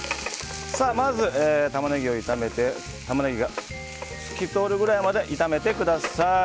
まずタマネギを炒めてタマネギが透き通るぐらいまで炒めてください。